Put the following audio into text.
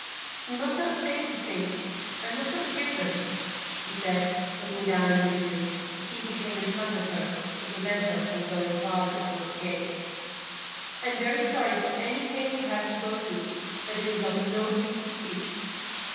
"You must not say these things; I must not hear them," she said, looking down in misery, as Stephen came in front of her, to prevent her from going farther toward the gate. "I'm very sorry for any pain you have to go through; but it is of no use to speak."